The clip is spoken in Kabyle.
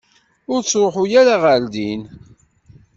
Ur ttṛuḥu ara ɣer din.